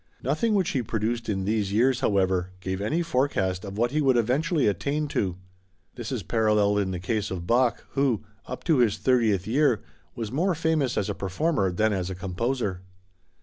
Nothing which he produced in these years, however, gave any forecast of what he would eventually attain to. This is paralleled in the case of Bach, who, up to his thirtieth year was more famous as a performer than as composer.